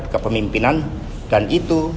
ke pemimpinan dan itu